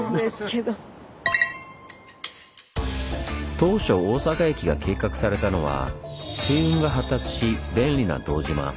当初大阪駅が計画されたのは水運が発達し便利な堂島。